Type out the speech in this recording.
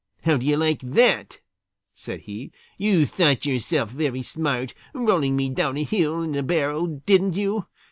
"How do you like that?" said he. "You thought yourself very smart, rolling me down hill in a barrel, didn't you?